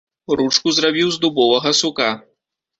Ручку зрабіў з дубовага сука.